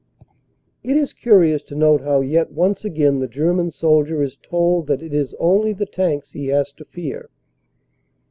It is curious to note how yet once again the German soldier is told that it is only the tanks he has to fear.